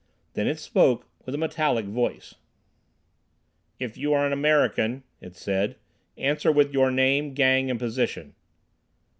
Then it spoke, with a metallic voice. "If you are an American," it said, "answer with your name, gang and position."